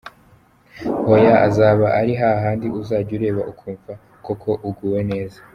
Hoya azaba ari hahandi uzajya ureba ukumva koko uguwe neza.